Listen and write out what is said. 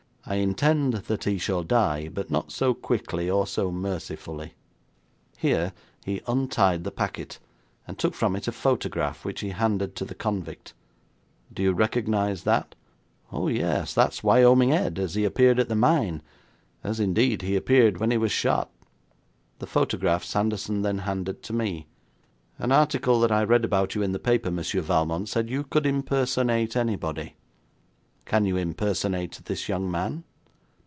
I intend that he shall die, but not so quickly or so mercifully.' Here he untied the packet, and took from it a photograph, which he handed to the convict. 'Do you recognise that?' 'Oh yes; that's Wyoming Ed as he appeared at the mine; as, indeed, he appeared when he was shot.' The photograph Sanderson then handed to me. 'An article that I read about you in the paper, Monsieur Valmont, said you could impersonate anybody. Can you impersonate this young man?'